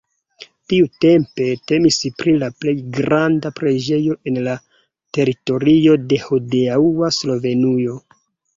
Tiutempe temis pri la plej granda preĝejo en la teritorio de hodiaŭa Slovenujo.